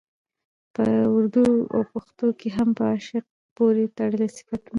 په اردو او پښتو کې هم په عاشق پورې تړلي صفتونه